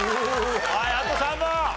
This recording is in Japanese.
はいあと３問！